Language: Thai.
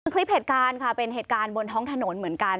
คลิปเหตุการณ์ค่ะเป็นเหตุการณ์บนท้องถนนเหมือนกัน